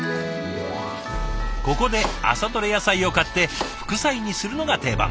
ここで朝どれ野菜を買って副菜にするのが定番。